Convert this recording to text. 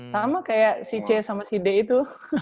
sama kayak si c sama si d itu